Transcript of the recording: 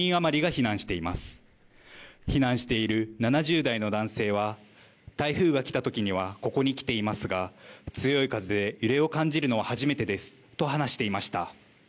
避難している７０代の男性は、台風が来たときにはここに来ていますが、強い風で揺れを感じるのは初めてですと話していました。